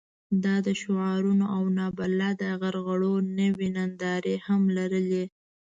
دا د شعارونو او نابلده غرغړو نوې نندارې هم لرلې.